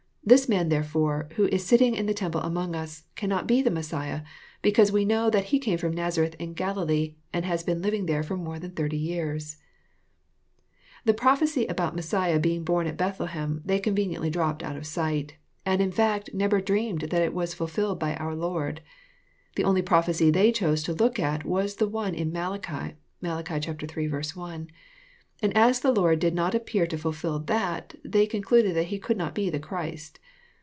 This man therefore, who is sitting in the temple among us, cannot be the Messiah, because we know that He came from Nazareth in Galilee, and has been living there for more than thirty years .V The prophecy about Messiah beings born at Bethlehem, theyconveniently dropped^out of sight, and in fact never dreamed t^at it was ftilfllled by our Lord. The only prophecy they chose to look at was the one in Malachi, (Mai. iii. 1,) and as the Lord did not ap^eaiHio fulfil that, they concluded that He could not be the Christ.